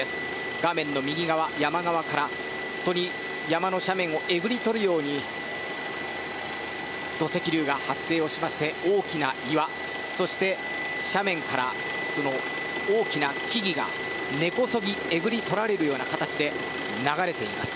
画面の右側、山側から山の斜面をえぐり取るように土石流が発生しまして大きな岩、そして斜面から大きな木々が根こそぎえぐり取られるような形で流れています。